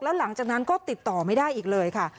แล้วหลังจากนั้นก็ติดต่อไม่ได้อีกเลยค่ะ